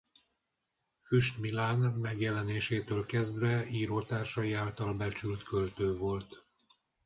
Füst Milán megjelenésétől kezdve írótársai által becsült költő volt.